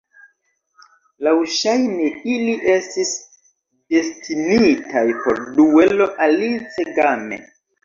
Laŭŝajne ili estis destinitaj por duelo "Alice Game".